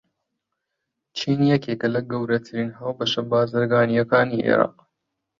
چین یەکێکە لە گەورەترین هاوبەشە بازرگانییەکانی عێراق.